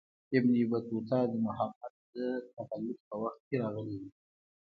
ابن بطوطه د محمد تغلق په وخت کې راغلی و.